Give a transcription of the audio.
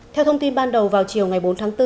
theo thông tin ban đầu vào chiều ngày bốn tháng bốn